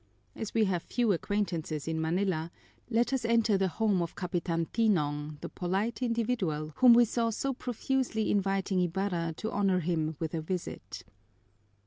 As we have few acquaintances in Manila, let us enter the home of Capitan Tinong, the polite individual whom we saw so profusely inviting Ibarra to honor him with a visit.